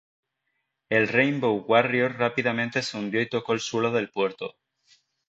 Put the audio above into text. El "Rainbow Warrior" rápidamente se hundió y tocó el suelo del puerto.